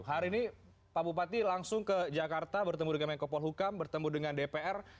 hari ini pak bupati langsung ke jakarta bertemu dengan menko polhukam bertemu dengan dpr